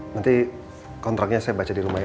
nanti kontraknya saya baca di rumah ya